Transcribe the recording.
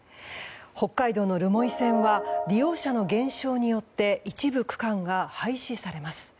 北海道の留萌線は利用者の減少によって一部区間が廃止されます。